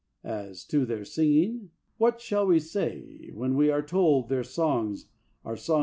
As to their singing, what shall we say when we are told that their songs are song?